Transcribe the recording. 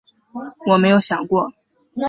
我没有想过